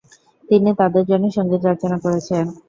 তিনি তাদের জন্য সঙ্গীত রচনা করেছেন।